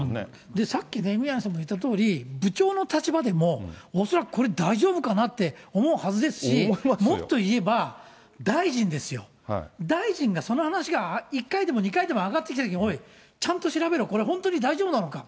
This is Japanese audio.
で、さっきね、宮根さんも言ったとおり、部長の立場でも、恐らくこれ、大丈夫かなって思うはずですし、もっと言えば、大臣ですよ。大臣がその話が１回でも２回でも上がってきたときに、おい、ちゃんと調べろ、これ大丈夫なのか？